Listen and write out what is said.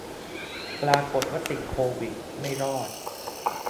ปรากฏว่าติดโควิด ไม่รอด